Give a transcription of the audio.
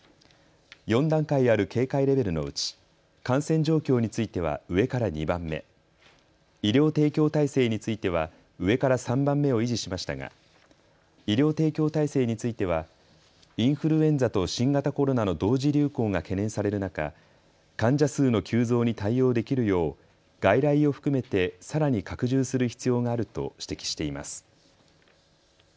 ４段階ある警戒レベルのうち感染状況については上から２番目、医療提供体制については上から３番目を維持しましたが医療提供体制についてはインフルエンザと新型コロナの同時流行が懸念される中、患者数の急増に対応できるよう外来を含めてさらに拡充する必要があると指摘しています。